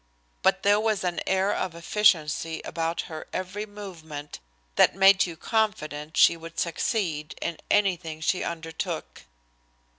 But there was an air of efficiency about her every movement that made you confident she would succeed in anything she undertook.